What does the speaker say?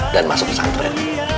dan masuk pesantren